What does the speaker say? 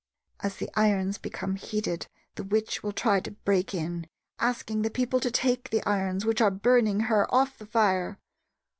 As the irons become heated the witch will try to break in, asking the people to take the irons, which are burning her, off the fire.